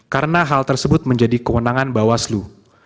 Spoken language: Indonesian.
karena hal tersebut menjadi kewenangan bawaslu